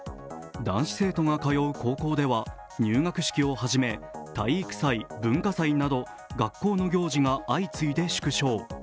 男子生徒が通う高校では入学式を初め、体育祭、文化祭など学校の行事が相次いで縮小。